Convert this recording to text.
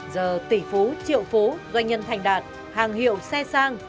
giờ tỷ phú triệu phú doanh nhân thành đạt hàng hiệu xe sang